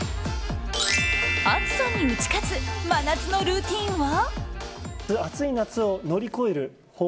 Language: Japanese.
暑さに打ち勝つ真夏のルーティンは？